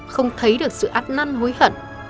không thấy được sự át năn hối hận